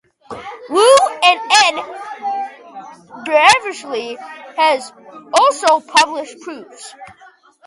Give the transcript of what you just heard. Wu and N. Berikashvili have also published proofs.